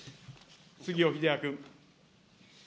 杉尾秀哉君。